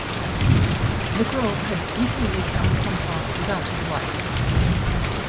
Legros had recently come from France without his wife.